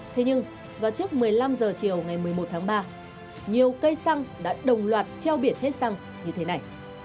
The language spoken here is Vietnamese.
thế nhưng và trước một mươi năm h chiều ngày một mươi một tháng ba nhiều cây xăng đã đồng loạt treo biển hết xăng như thế này